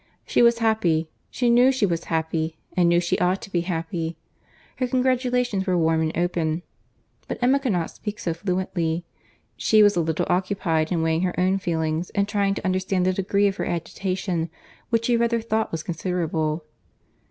She was happy, she knew she was happy, and knew she ought to be happy. Her congratulations were warm and open; but Emma could not speak so fluently. She was a little occupied in weighing her own feelings, and trying to understand the degree of her agitation, which she rather thought was considerable.